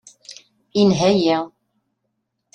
Inha-yi.